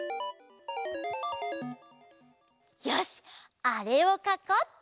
よしあれをかこうっと！